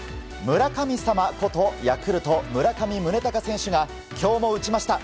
村神様ことヤクルト、村上宗隆選手が今日も打ちました。